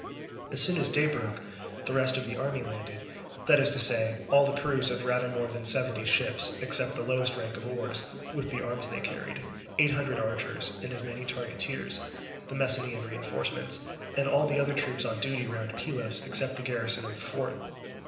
As soon as day broke, the rest of the army landed, that is to say, all the crews of rather more than seventy ships, except the lowest rank of oars, with the arms they carried, eight hundred archers, and as many targeteers, the Messenian reinforcements, and all the other troops on duty round Pylos, except the garrison on the fort.